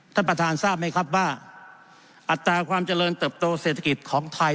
ท่านประธานทราบไหมครับว่าอัตราความเจริญเติบโตเศรษฐกิจของไทย